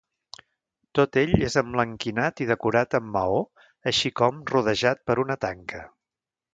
Tot ell és emblanquinat i decorat amb maó, així com rodejat per una tanca.